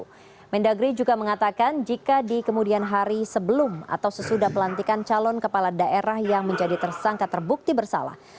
mendagri juga mengatakan jika di kemudian hari sebelum atau sesudah pelantikan calon kepala daerah yang menjadi tersangka terbukti bersalah